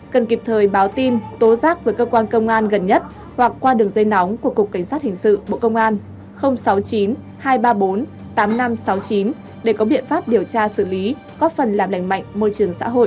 cần kịp thời báo tin tố giác với cơ quan công an gần nhất hoặc qua đường dây nóng của cục cảnh sát hình sự bộ công an sáu mươi chín hai trăm ba mươi bốn tám nghìn năm trăm sáu mươi chín để có biện pháp điều tra xử lý góp phần làm lành mạnh môi trường xã hội